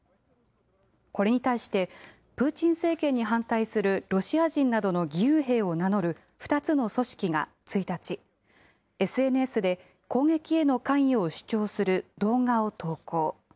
これに対して、プーチン政権に反対するロシア人などの義勇兵を名乗る２つの組織が１日、ＳＮＳで、攻撃への関与を主張する動画を投稿。